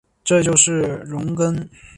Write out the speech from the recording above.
这就是容庚。